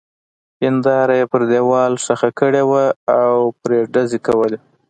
هېنداره يې پر دېوال ښخه کړې وه او پرې ډزې کولې.